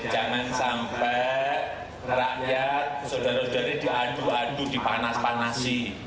jangan sampai rakyat saudara saudari diadu adu dipanas panasi